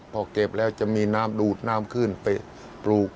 พอเก็บแล้วจะมีน้ำดูดน้ำขึ้นไปปลูก